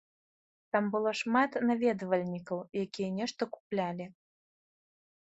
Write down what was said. Там было шмат наведвальнікаў, якія нешта куплялі.